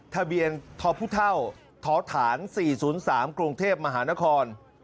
ทะเบียนท้อผู้เท่าท้อถาน๔๐๓กรุงเทพฯมหานคร